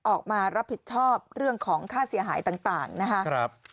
ออกมารับผิดชอบเรื่องของค่าเสียหายต่างนะครับ